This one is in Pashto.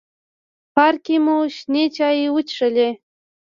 پارک کې مو شنې چای وڅښلې.